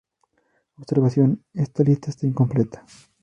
Observación: Esta lista está incompleta.